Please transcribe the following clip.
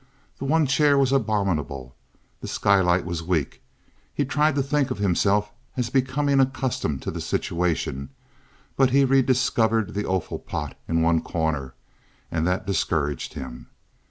The one chair was abominable. The skylight was weak. He tried to think of himself as becoming accustomed to the situation, but he re discovered the offal pot in one corner, and that discouraged him.